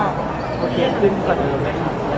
เป็นไงบ้าง